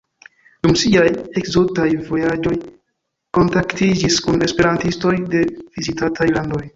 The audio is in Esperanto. Dum siaj ekzotaj vojaĝoj kontaktiĝis kun esperantistoj de vizitataj landoj.